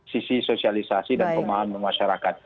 sisi sosialisasi dan pemahaman masyarakat